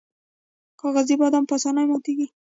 کاغذي بادام په اسانۍ ماتیږي.